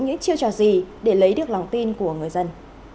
những chiêu trò gì để lấy được lòng tin của người dân